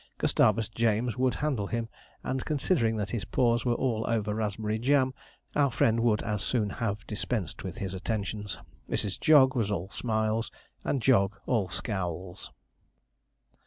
Gustavus James would handle him; and, considering that his paws were all over raspberry jam, our friend would as soon have dispensed with his attentions. Mrs. Jog was all smiles, and Jog all scowls.